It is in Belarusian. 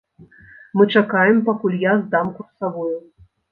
Мы чакаем, пакуль я здам курсавую.